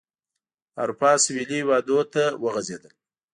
د اروپا سوېلي هېوادونو ته وغځېدل.